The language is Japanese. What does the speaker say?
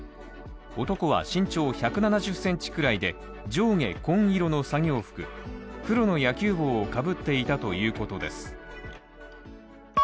男は身長１７０ｃｍくらいで上下紺色の作業服、黒の野球帽をかぶっていたということです。